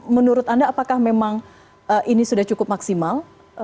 menurut anda apakah memang ini sudah cukup maksimal